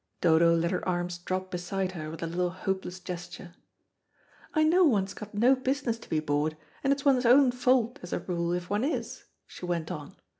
Dodo let her arms drop beside her with a little hopeless gesture. "I know one's got no business to be bored, and it's one's own fault as a rule if one is," she went on.